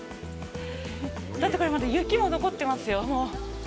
だって、これまだ雪も残ってますよ。